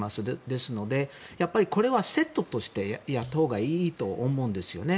ですのでやっぱりこれはセットとしてやったほうがいいと思うんです。